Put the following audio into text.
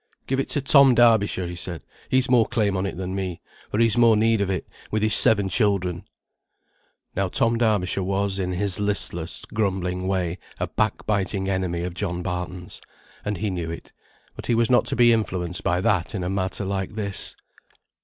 "Give it to Tom Darbyshire," he said. "He's more claim on it than me, for he's more need of it, with his seven children." Now Tom Darbyshire was, in his listless, grumbling way, a backbiting enemy of John Barton's. And he knew it; but he was not to be influenced by that in a matter like this.